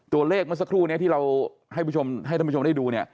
ตัวเลขเมื่อสักครู่นี้ที่เราให้ท่านผู้ชมได้ดูเนี่ย